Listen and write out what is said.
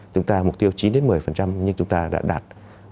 chúng ta mục tiêu chín một mươi nhưng chúng ta đã đạt một mươi ba tám